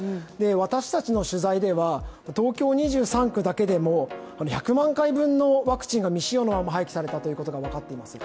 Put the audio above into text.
私たちの取材では、東京２３区だけでも１００万回分のワクチンが未使用のまま廃棄されたということが分かっています。